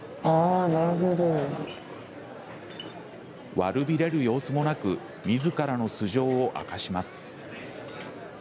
悪びれる様子もなくみずからの素性を明かします。